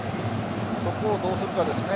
そこをどうするかですよね。